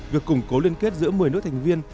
việc củng cố liên kết giữa một mươi nước thành viên